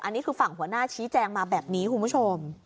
อันนี้คือฝั่งหัวหน้าชี้แจงมาแบบนี้คุณผู้ชม